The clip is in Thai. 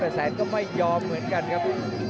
บ้านมาเทศก็ไม่ยอมเหมือนกันครับ